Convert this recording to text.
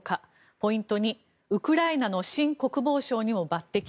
ポイント２、ウクライナの新国防相にも抜てき。